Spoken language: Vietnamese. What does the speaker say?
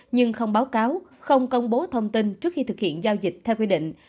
nhưng không báo cáo không công bố thông tin trước khi thực hiện giao dịch theo quy định